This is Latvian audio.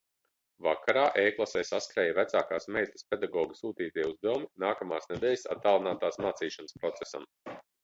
Vakarā e-klasē saskrēja vecākās meitas pedagogu sūtītie uzdevumi nākamās nedēļas attālinātās mācīšanās procesam.